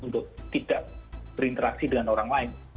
untuk tidak berinteraksi dengan orang lain